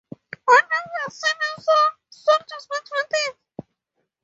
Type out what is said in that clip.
When the first seed is sown, salt is mixed with it.